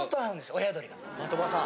的場さん？